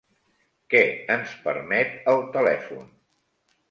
Què ens permet el telèfon?